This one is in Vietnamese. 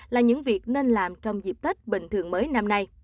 là những việc nên làm trong dịp tết bình thường mới năm nay